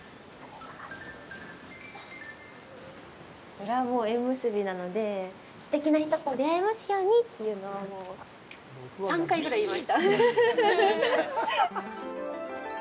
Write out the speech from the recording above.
それはもう、縁結びなので、すてきな人と出会えますようにっていうのを、３回ぐらい言いました。